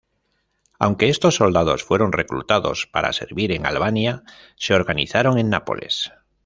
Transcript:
Aunque estos soldados fueron reclutados para servir en Albania, se organizaron en Nápoles.